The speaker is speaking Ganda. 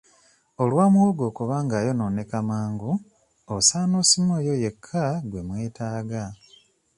Olwa muwogo okuba ng'ayonooneka mangu osaana osime oyo yekka gwe mwetaaga.